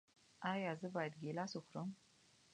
ایا زه باید ګیلاس وخورم؟